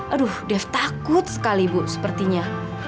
aduh def takut sekali bu sepertinya